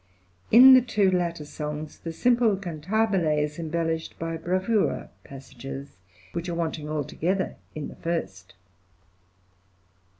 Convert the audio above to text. In the two latter songs the simple Cantabile is embellished by bravura passages, which are wanting altogether in the first.